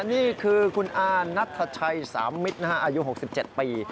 นี่คือคุณอานัทชัยสามมิตรอายุ๖๗ปี